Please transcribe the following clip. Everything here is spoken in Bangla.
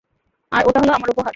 আর এটা হলো আমার উপহার।